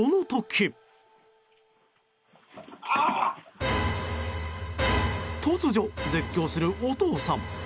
突如、絶叫するお父さん。